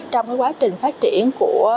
trong cái quá trình phát triển của